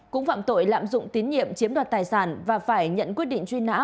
cũng phạm tội lạm dụng tín nhiệm chiếm đoạt tài sản và phải nhận quyết định truy nã